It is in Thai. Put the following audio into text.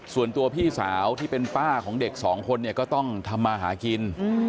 ส่วนตัวพี่สาวที่เป็นป้าของเด็กสองคนเนี่ยก็ต้องทำมาหากิน